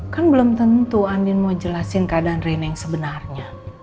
kan belum tentu andin mau jelasin keadaan rina yang sebenarnya